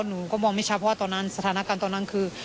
หนูก็มองไม่ชัดเพราะว่าตอนนั้นสถานการณ์ตอนนั้นคือ